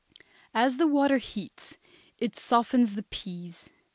As the water heats it softens the peas.